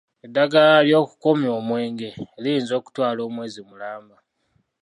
Eddagala ly'okukomya omwenge liyinza okutwala omwezi mulamba.